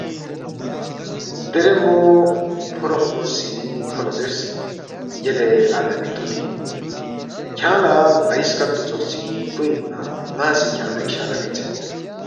دیرے مو فوروقمو سی کھو لہ زیرس، یلے آدمی طوطی کھیانگ لہ ن٘ئی سکت پو ژوخچی کوے اِننا ن٘ا سی کھیانگ لہ اِشارہ مِنسید